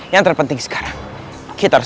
yang terpenting sekarang kita harus